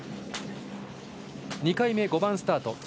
２回目、５番スタート。